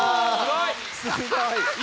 すごい！